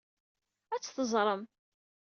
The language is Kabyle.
Ad tt-teẓrem.